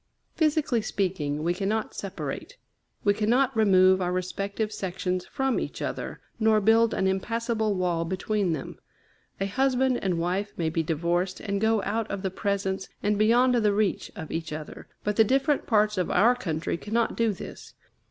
Physically speaking, we cannot separate; we cannot remove our respective sections from each other, nor build an impassable wall between them. A husband and wife may be divorced, and go out of the presence and beyond the reach of each other, but the different parts of our country cannot do this.